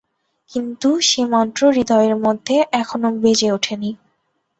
কিন্তু সে মন্ত্র হৃদয়ের মধ্যে এখানো বেজে ওঠে নি।